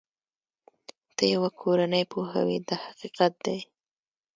ته یوه کورنۍ پوهوې دا حقیقت دی.